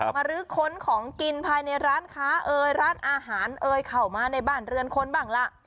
รื้อค้นของกินภายในร้านค้าเอ่ยร้านอาหารเอ่ยเข้ามาในบ้านเรือนคนบ้างล่ะ